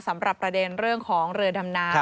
สำหรับประเด็นเรื่องของเรือดำน้ำ